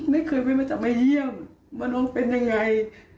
ไม่เคยไปมาจับมาเยี่ยมว่าน้องเป็นอย่างไร